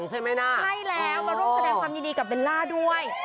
ใช่ไหมนะใช่แล้วมาร่วมแสดงความยินดีกับเบลล่าด้วย